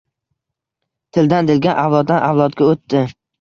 Tildan tilga, avloddan avlodga oʻtdi